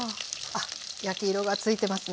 あっ焼き色がついてますね。